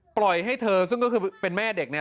ปล่อยให้เธอซึ่งก็คือเป็นแม่เด็กเนี่ย